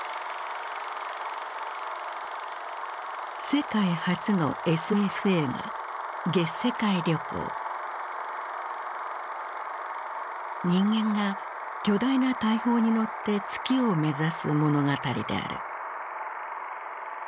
世界初のＳＦ映画人間が巨大な大砲に乗って月を目指す物語である。